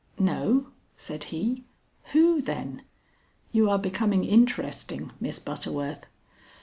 "No?" said he. "Who, then? You are becoming interesting, Miss Butterworth."